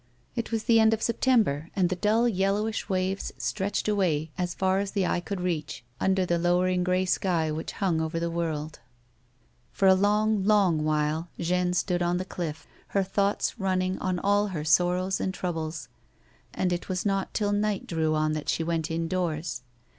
It was the end of September, and the dull yellow ish waves stretched away as far as the eye could reach, under the lowering grey sky which hung over the world. For a long, long while, Jeanne stood on the cliff, her thoughts running on all her sorrows and troubles, and it was not till night drew on that she went indoors.